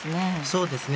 そうですね